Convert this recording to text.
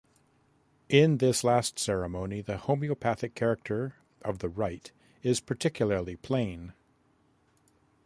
In this last ceremony the homeopathic character of the rite is particularly plain.